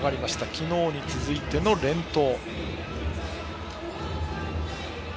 昨日に続いての連投。